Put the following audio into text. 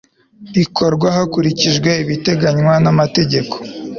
rikorwa hakurikijwe ibiteganywa n amategeko